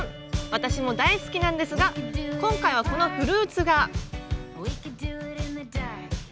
私も大好きなんですが今回はこのフルーツが。